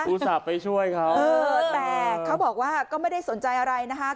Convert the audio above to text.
อุตส่าห์ไปช่วยเขาเออแต่เขาบอกว่าก็ไม่ได้สนใจอะไรนะคะ